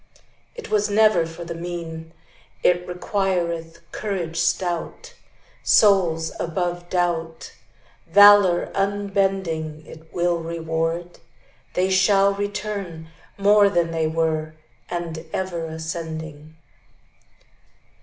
It was never for the mean; It requireth courage stout. Souls above doubt, Valor unbending, It will reward, They shall return More than they were, And ever ascending.